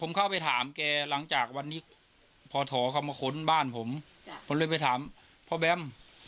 ผมเข้าไปถามแกรหลังจากวันนี้พ่อถอเข้ามากรมะขนบ้านผม